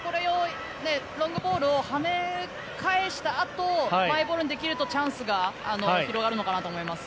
ロングボールをはね返したあとマイボールにできるとチャンスが広がるのかなと思います。